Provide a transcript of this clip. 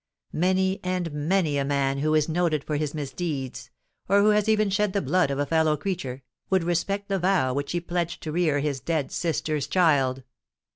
Many and many a man who is noted for his misdeeds—or who has even shed the blood of a fellow creature—would respect the vow which he pledged to rear his dead sister's child.